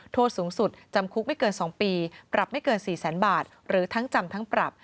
โทษสูงสุดจำคุกไม่เกิน๒ปีปรับไม่เกิน๔แสนบาทหรือทั้งจำทั้งปรับ